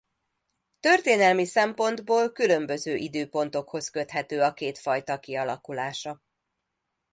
Történelmi szempontból különböző időpontokhoz köthető a két fajta kialakulása.